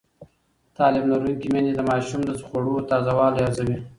تعلیم لرونکې میندې د ماشومانو د خوړو تازه والی ارزوي.